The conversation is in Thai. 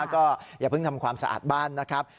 ก็อย่าเพิ่งทำความสะอาดบ้านนะครับ